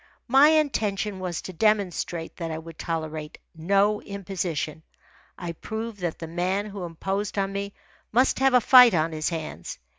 My intention was to demonstrate that I would tolerate no imposition. I proved that the man who imposed on me must have a fight on his hands.